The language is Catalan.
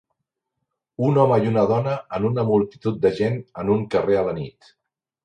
Un home i una dona en una multitud de gent en un carrer a la nit.